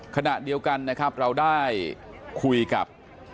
ขณะเดียวกันนะครับเราได้คุยกับ